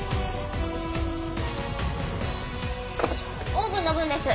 オーブンの分です。